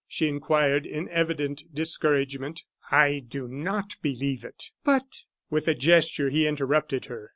she inquired, in evident discouragement. "I do not believe it!" "But " With a gesture, he interrupted her.